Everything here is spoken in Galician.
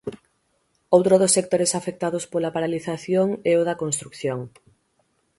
Outro dos sectores afectados pola paralización é o da construción.